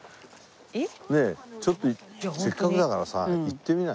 ちょっとせっかくだからさ行ってみない？